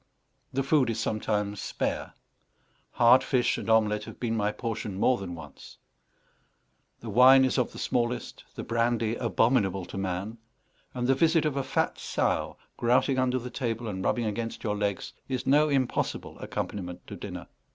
The food is sometimes spare; hard fish and omelette have been my portion more than once; the wine is of the smallest, the brandy abominable to man; and the visit of a fat sow, grouting under the table and rubbing against your legs, is no impossible accompaniment to dinner.